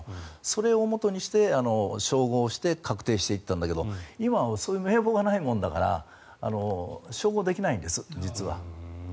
それをもとにして照合して確定していったんだけど今はそういう名簿がないもんだから照合できないんです、実は。